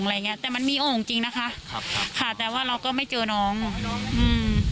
อะไรอย่างเงี้แต่มันมีโอ่งจริงนะคะครับค่ะแต่ว่าเราก็ไม่เจอน้องน้องอืม